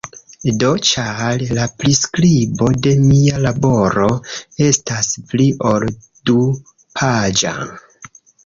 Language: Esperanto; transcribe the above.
Do, ĉar, la priskribo de mia laboro estas pli ol du-paĝa.